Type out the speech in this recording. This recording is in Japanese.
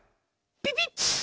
ピピッ！